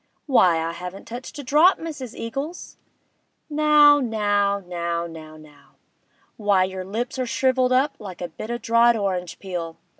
'Why, I haven't touched a drop, Mrs. Eagles!' 'Now, now, now, now, now! Why, your lips are shrivelled up like a bit of o' dried orange peel!